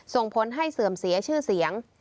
ส่งผลให้เสื่อมเสียชื่อเสียง